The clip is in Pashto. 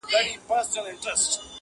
ښکلي زلمي به یې تر پاڼو لاندي نه ټولیږي؛